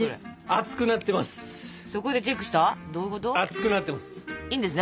熱くなってます。